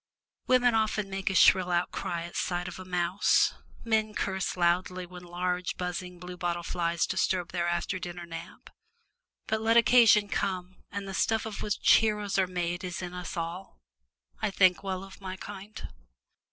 Women often make a shrill outcry at sight of a mouse; men curse roundly when large, buzzing, blue bottle flies disturb their after dinner nap; but let occasion come and the stuff of which heroes are made is in us all. I think well of my kind.